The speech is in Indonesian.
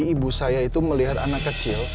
ibu saya itu melihat anak kecil